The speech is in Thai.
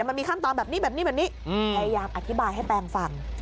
มันมีขั้นตอนแบบนี้แบบนี้แบบนี้พยายามอธิบายให้แปลงฟัง